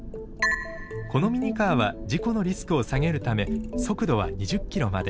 このミニカーは事故のリスクを下げるため速度は２０ｋｍまで。